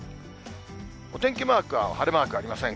お天気マークは晴れマークありません。